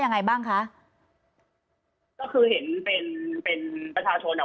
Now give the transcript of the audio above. ยังไงบ้างคะก็คือเห็นเป็นเป็นประชาชนอ่ะ